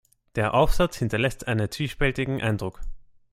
Der Aufsatz hinterlässt einen zwiespältigen Eindruck.